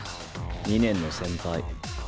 二年の先輩。